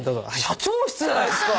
社長室じゃないっすか。